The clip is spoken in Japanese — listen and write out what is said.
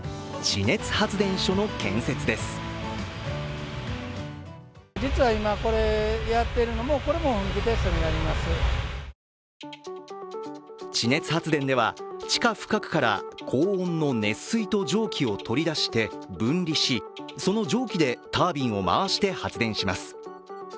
地熱発電では、地下深くから高温の熱水と蒸気を取り出して分離し、その蒸気でタービンを回して発電します。